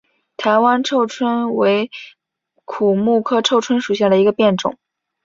台湾臭椿为苦木科臭椿属下的一个变种。